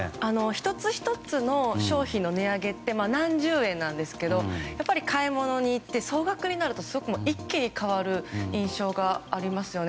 １つ１つの商品の値上げって何十円なんですけどやっぱり買い物に行って総額になると一気に変わる印象がありますよね。